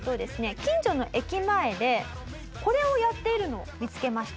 近所の駅前でこれをやっているのを見つけました。